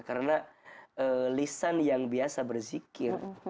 karena lisan yang biasa berzikir